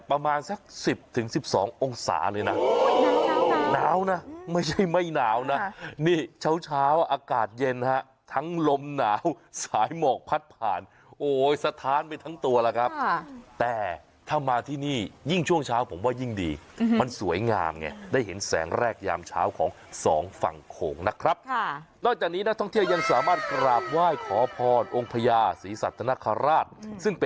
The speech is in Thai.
ประมาณสักสิบถึงสิบสององศาเลยน่ะน้ำน้ำน้ำน้ำน้ำน้ำน้ำน้ำน้ำน้ำน้ำน้ำน้ำน้ำน้ำน้ำน้ำน้ำน้ำน้ำน้ำน้ำน้ำน้ำน้ำน้ำน้ำน้ำน้ำน้ำน้ำน้ำน้ํ